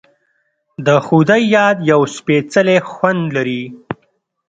د خدای یاد یو سپیڅلی خوند لري.